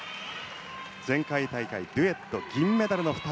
前回大会デュエット銀メダルの２人。